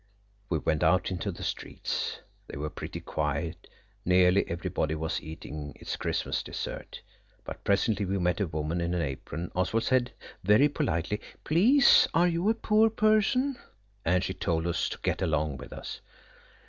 We went out into the streets. They were pretty quiet–nearly everybody was eating its Christmas dessert. But presently we met a woman in an apron. Oswald said very I politely– "Please, are you a poor person?" And she told us to get along with us.